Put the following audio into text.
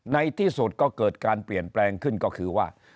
ในที่สุดก็เกิดการเปลี่ยนแปลงขึ้นก็คือว่า